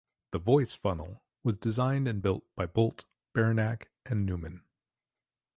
The Voice Funnel was designed and built by Bolt, Beranek and Newman.